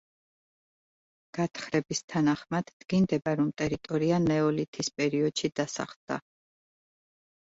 გათხრების თანახმად, დგინდება, რომ ტერიტორია ნეოლითის პერიოდში დასახლდა.